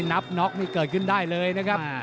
น็อกนี่เกิดขึ้นได้เลยนะครับ